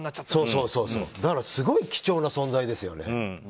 だからすごい貴重な存在ですよね。